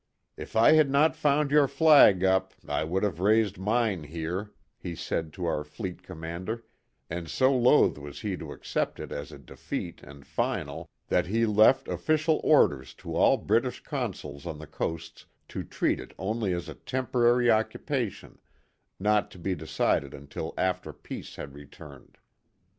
" If I had not found your flag up I would have raised mine there," he said to our fleet commander, and so loth was he to accept it as a defeat and final, that he left official orders to all British consuls on the coasts to treat it only as a " temporary occupation " not to be decided until after peace had returned.